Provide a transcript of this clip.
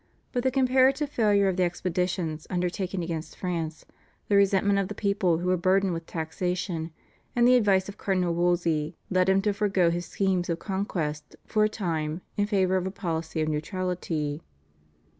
but the comparative failure of the expeditions undertaken against France, the resentment of the people who were burdened with taxation, and the advice of Cardinal Wolsey, led him to forego his schemes of conquest for a time in favour of a policy of neutrality.